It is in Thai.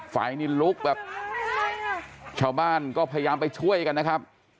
ไฟนี่ลุกแบบชาวบ้านก็พยายามไปช่วยกันนะครับ